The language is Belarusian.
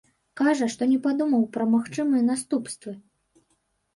Кажа, што не падумаў пра магчымыя наступствы.